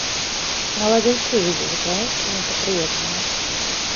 Наладзіў сувязі з украінскімі патрыётамі.